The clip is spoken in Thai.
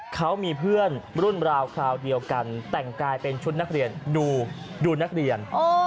เขามีเพื่อนรุ่นราวคราวเดียวกันแต่งกายเป็นชุดนักเรียนดูนักเรียน